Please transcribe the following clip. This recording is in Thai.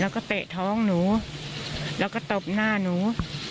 แล้วก็เตะท้องหนูแล้วก็ตบหน้าหนู